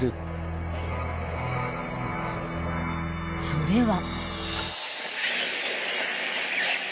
［それは］